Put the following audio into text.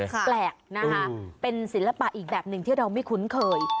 แปลกนะคะเป็นศิลปะอีกแบบหนึ่งที่เราไม่คุ้นเคย